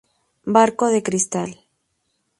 Barco De Cristal